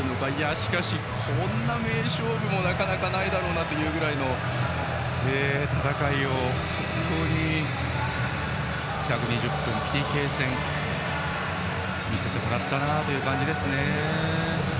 しかし、こんな名勝負もなかなかないだろうというぐらいの戦いを１２０分、ＰＫ戦と見せてもらった感じです。